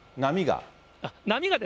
波が？